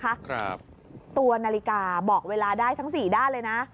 ครับตัวนาฬิกาบอกเวลาได้ทั้งสี่ด้านเลยนะ